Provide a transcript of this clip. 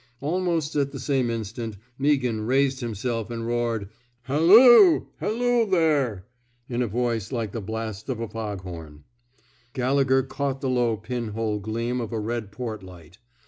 Almost at the same instant Meaghan raised himself and roared, *^ Halloo I Halloo 53 THE SMOKE EATEES there! '^ in a voice like the blast of a fog horn. Gallegher caught the low pin hole gleam of a red port light.